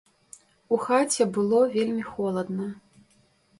У хаце было вельмі холадна.